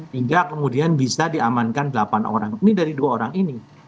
hingga kemudian bisa diamankan delapan orang ini dari dua orang ini